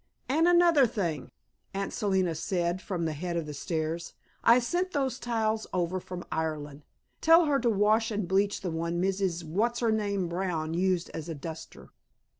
"And another thing," Aunt Selina said, from the head of the stairs, "I sent those towels over from Ireland. Tell her to wash and bleach the one Mrs. What's her name Brown used as a duster."